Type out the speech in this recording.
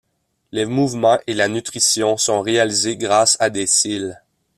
Les mouvements et la nutrition sont réalisés grâce à des cils.